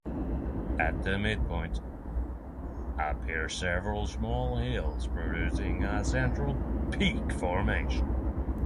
At the midpoint appear several small hills producing a central peak formation.